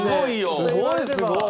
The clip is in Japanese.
すごいすごい。